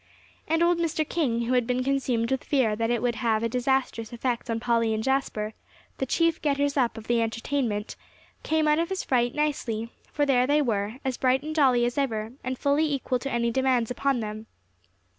And old Mr. King, who had been consumed with fear that it would have a disastrous effect on Polly and Jasper, the chief getters up of the entertainment, came out of his fright nicely; for there they were, as bright and jolly as ever, and fully equal to any demands upon them.